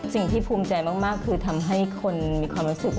สิ่งที่ภูมิใจมากคือทำให้คนมีความรู้สึก